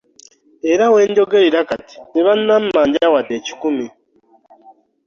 Era we njogerera kati tebammanja wadde ekikumi.